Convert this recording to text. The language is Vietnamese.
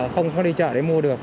không có đi chợ để mua được